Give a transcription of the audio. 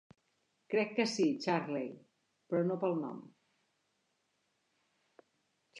Crec que sí, Charley, però no pel nom.